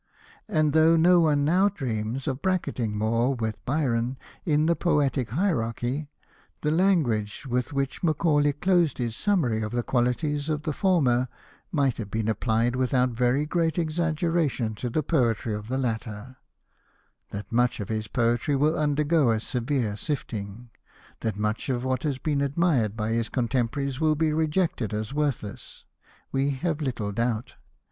And though no one now dreams of bracketing Moore with Byron in the poetic hierarchy, the language with which Macaulay closed his summary of the qualities of the former might have been applied without very great exaggeration to the poetry of the latter :—" That much of his poetry will undergo a severe sifting, that Hosted by Google INTRODUCTION xxv much of what has been admired l^y his contemporaries will be rejected as worthless, we have little doubt.